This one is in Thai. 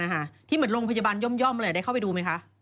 ที่เหมือนโรงพยาบาลย่อมเลยได้เข้าไปดูไหมคะ